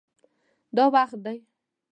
دا وخت دی